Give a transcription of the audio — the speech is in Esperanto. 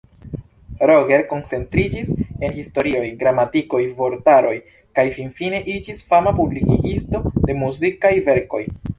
Roger koncentriĝis en historioj, gramatikoj, vortaroj kaj finfine iĝis fama publikigisto de muzikaj verkoj.